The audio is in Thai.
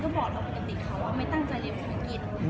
ท่านก็ชอบให้เราไปตัวเน้นของไปไหน